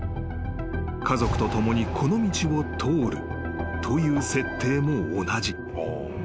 ［家族と共にこの道を通るという設定も同じ］